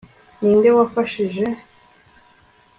ninde wafashije